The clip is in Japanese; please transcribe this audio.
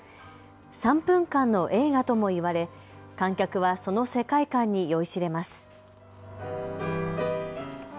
３分間の映画とも言われ観客はその世界観に酔いしれます。